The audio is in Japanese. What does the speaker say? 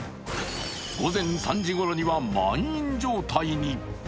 午前３時ごろには満員状態に。